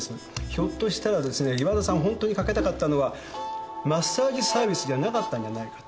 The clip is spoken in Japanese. ひょっとしたらですね岩田さん本当にかけたかったのはマッサージサービスじゃなかったんじゃないかと。